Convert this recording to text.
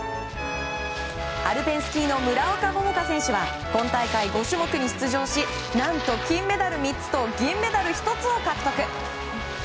アルペンスキーの村岡桃佳選手は今大会５種目に出場し何と金メダル３つと銀メダル１つを獲得。